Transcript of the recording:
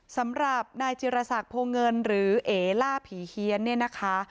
สำหรับนายจิรษักโพเงินหรือเอ๋ล่าผีเฮียนเนี่ยนะคะ